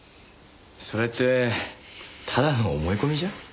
それってただの思い込みじゃ？